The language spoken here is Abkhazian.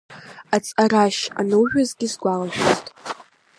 Аҵҟарашь анужәуазгьы сгәалашәоит.